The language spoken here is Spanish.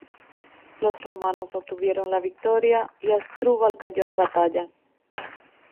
Los romanos obtuvieron la victoria y Asdrúbal cayó en batalla.